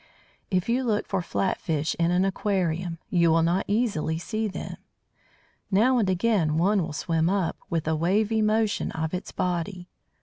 If you look for flat fish in an aquarium, you will not easily see them. Now and again one will swim up, with a wavy motion of its body.